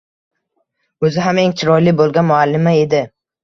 Oʻzi ham eng chiroyli boʻlgan muallima edi...